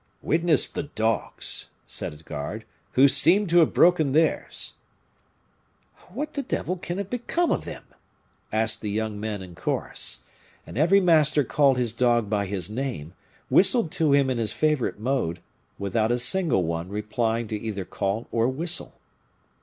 "Witness the dogs," said a guard, "who seem to have broken theirs." "What the devil can have become of them?" asked the young men in chorus. And every master called his dog by his name, whistled to him in his favorite mode, without a single one replying to either call or whistle.